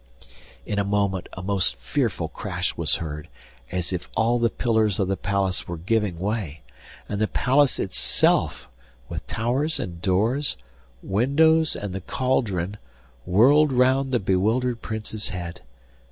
In a moment a most fearful crash was heard, as if all the pillars of the palace were giving way, and the palace itself, with towers and doors, windows and the cauldron, whirled round the bewildered Prince's head.